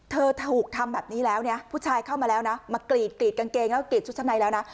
เธอถูกทำแบบนี้แล้วเนี่ยผู้ชายเข้ามาแล้วนะมากรีดกรีดกางเกงแล้วกรีดชุดชั้นในแล้วนะ